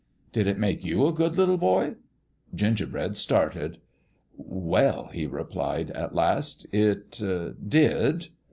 " Did it make you a good little boy ?" Gingerbread started. "Well," he replied, at last, " it did."